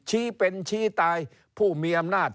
ชี้เป็นชี้ตายผู้มีอำนาจ